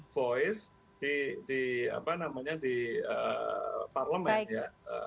voice di apa namanya di parlemen ya